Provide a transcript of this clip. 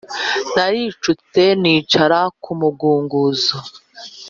Naricutse nicara ku mugunguzo